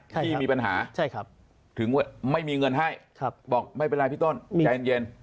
ที่มีปัญหาถึงไม่มีเงินให้บอกไม่เป็นไรพี่ต้นใจเย็น